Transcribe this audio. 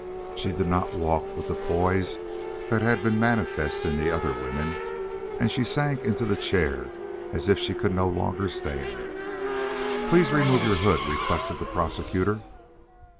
She did not walk with the poise that had been manifest in the other women, and she sank into the chair as if she could no longer stand. "Please remove your hood," requested the prosecutor.